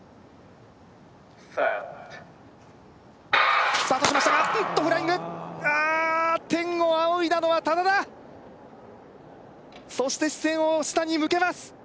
Ｓｅｔスタートしましたがおっとフライングああ天を仰いだのは多田だそして視線を下に向けます